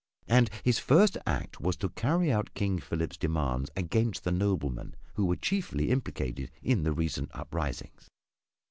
And his first act was to carry out King Philip's demands against the noblemen who were chiefly implicated in the recent uprisings.